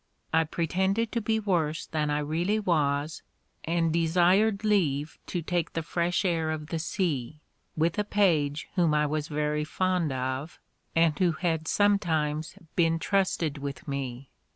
I pretended to be worse than I really was, and desired leave to take the fresh air of the sea, with a page whom I was very fond of, and who had sometimes been trusted with me.